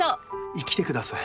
生きてください。